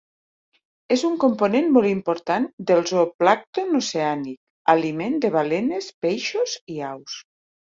És un component molt important del zooplàncton oceànic, aliment de balenes, peixos i aus.